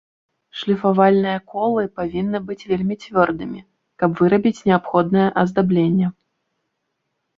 Шліфавальныя колы павінны быць вельмі цвёрдымі, каб вырабіць неабходнае аздабленне.